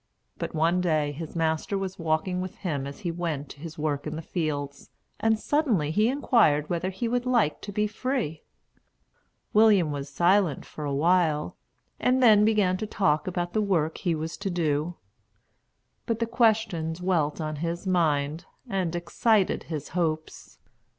But one day his master was walking with him as he went to his work in the fields, and suddenly he inquired whether he would like to be free. William was silent for a while, and then began to talk about the work he was to do. But the question dwelt on his mind and excited his hopes.